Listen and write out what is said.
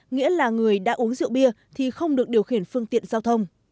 nghĩa là người đã uống rượu bia thì không được điều khiển phương tiện giao thông